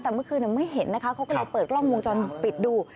แต่เมื่อคืนไม่เห็นนะคะเขาก็เลยเปิดกล้องวงจรปิดดู